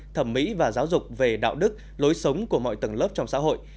thẩm mỹ và giáo dục về đạo đức lối sống của mọi tầng lớp trong xã hội